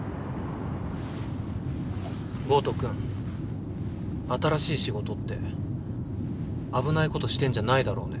豪徳君新しい仕事って危ないことしてんじゃないだろうね？